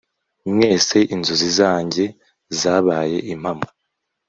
mwese inzozi zanjye zabaye impamo